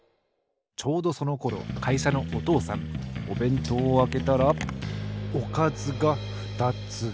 ちょうどそのころかいしゃのお父さんおべんとうをあけたらおかずがふたつ。